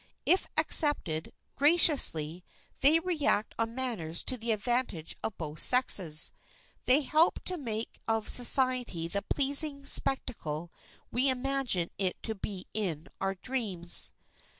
If accepted graciously they react on manners to the advantage of both sexes. They help to make of society the pleasing spectacle which we imagine it to be in our dreams.